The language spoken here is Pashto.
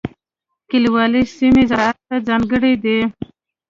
کلیوالي سیمې زراعت ته ځانګړې دي.